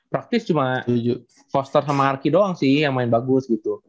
praktis cuma poster sama arki doang sih yang main bagus gitu